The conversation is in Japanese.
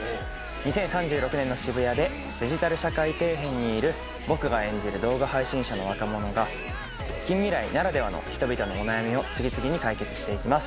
２０３６年の渋谷でデジタル社会底辺にいる僕が演じる動画配信者の若者が近未来ならではの人々のお悩みを次々に解決して行きます